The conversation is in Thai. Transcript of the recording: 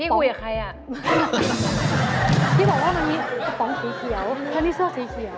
พี่บอกว่ามีกระป๋องสีเขียวตัวนี่เสื้อสีเขียว